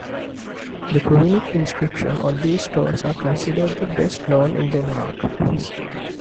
The runic inscriptions on these stones are considered the best known in Denmark.